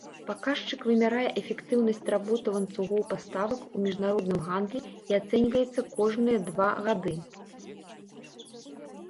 Паказчык вымярае эфектыўнасць работы ланцугоў паставак у міжнародным гандлі і ацэньваецца кожныя два гады.